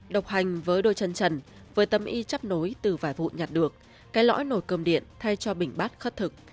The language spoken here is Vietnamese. độc hành với đôi chân trần với tâm y chấp nối từ vài vụ nhặt được cái lõi nổi cơm điện thay cho bỉnh bát khất thực